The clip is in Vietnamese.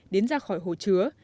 đến ra khỏi hồ chứa